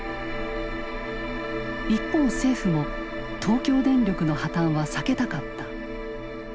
一方政府も東京電力の破綻は避けたかった。